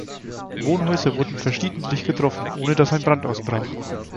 Wohnhäuser wurden verschiedentlich getroffen, ohne dass ein Brand ausbrach.